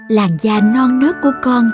làn da non nớt của con